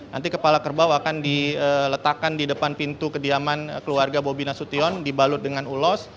nanti kepala kerbau akan diletakkan di depan pintu kediaman keluarga bobi nasution dibalut dengan ulos